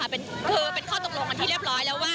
เป็นข้อตกลงที่เรียบร้อยดังนั้นว่า